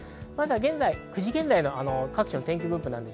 ９時現在の各地の天気分布です。